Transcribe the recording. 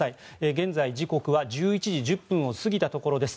現在、時刻は１１時１０分を過ぎたところです。